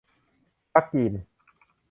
พรรคกรีน